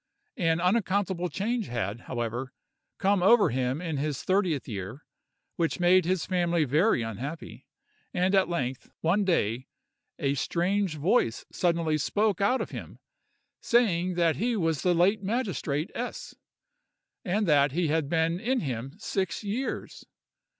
An unaccountable change had, however, come over him in his thirtieth year, which made his family very unhappy; and at length, one day, a strange voice suddenly spoke out of him, saying that he was the late magistrate S——, and that he had been in him six years.